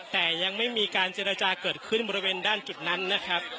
แต่ยังไม่มีการเจรจาเกิดขึ้นบริเวณด้านจุดนั้นนะครับ